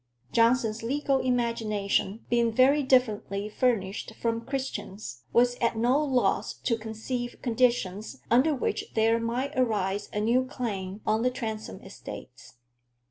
Johnson's legal imagination, being very differently furnished from Christian's, was at no loss to conceive conditions under which there might arise a new claim on the Transome estates.